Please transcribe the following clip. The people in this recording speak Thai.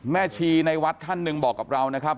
ชีในวัดท่านหนึ่งบอกกับเรานะครับ